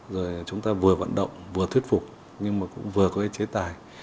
rồi chúng ta vừa vận động vừa thuyết phục nhưng mà cũng vừa có cái chế tài